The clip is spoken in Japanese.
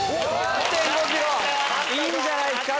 いいんじゃないっすか？